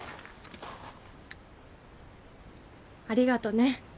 ありがとね